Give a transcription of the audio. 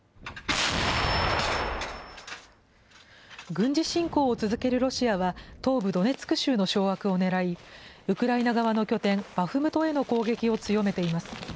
軍事侵攻を続けるロシアは、東部ドネツク州の掌握をねらい、ウクライナ側の拠点、バフムトへの攻撃を強めています。